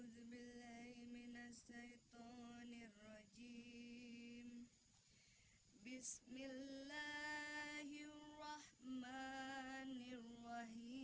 semoga mati tidak luka